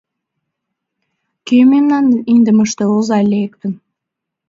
Кӧ мемнан идымыште оза лектын?